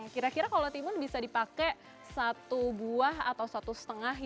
kira kira kalau timun bisa dipakai satu buah atau satu setengah